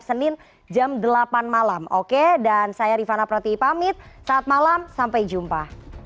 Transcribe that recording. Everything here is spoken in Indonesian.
senin jam delapan malam oke dan saya rifana prati pamit saat malam sampai jumpa